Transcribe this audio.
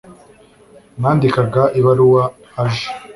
Nandikaga ibaruwa aje